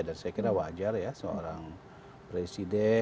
dan saya kira wajar ya seorang presiden